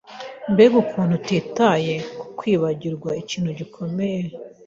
Mbega ukuntu utitaye ku kwibagirwa ikintu gikomeye!